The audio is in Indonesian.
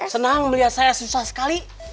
senang melihat saya susah sekali